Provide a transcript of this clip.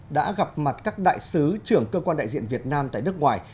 đã gặp mặt các đại sứ trưởng cơ quan đại diện việt nam tại nước ngoài